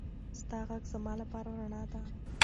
ستا غږ زما لپاره رڼا ده.